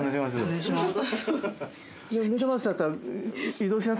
お願いします。